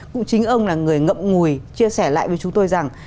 cũng chính ông là người ngậm ngùi chia sẻ lại với chúng tôi rằng